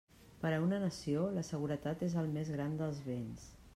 Per a una nació, la seguretat és el més gran dels béns.